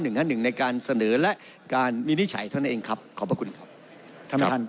หนึ่งในการเสนอและการวินิจฉัยเท่านั้นเองครับขอบพระคุณครับท่านประธาน